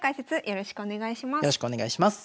よろしくお願いします。